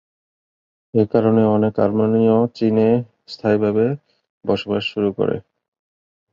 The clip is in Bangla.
এ কারণে অনেক আর্মেনিয় চীনে স্থায়ীভাবে বসবাস করতে শুরু করে।